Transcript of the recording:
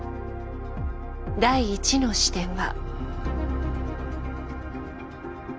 第一の視点は。